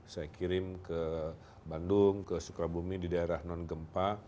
saya kirim ke bandung ke sukabumi di daerah non gempa